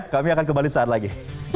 kami akan kembali saat lagi